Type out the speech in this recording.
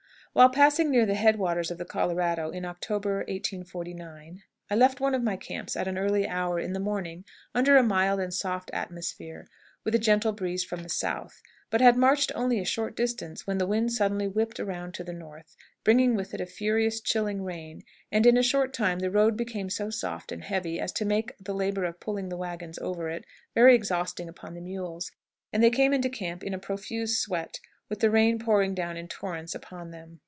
While passing near the head waters of the Colorado in October, 1849, I left one of my camps at an early hour in the morning under a mild and soft atmosphere, with a gentle breeze from the south, but had marched only a short distance when the wind suddenly whipped around into the north, bringing with it a furious chilling rain, and in a short time the road became so soft and heavy as to make the labor of pulling the wagons over it very exhausting upon the mules, and they came into camp in a profuse sweat, with the rain pouring down in torrents upon them.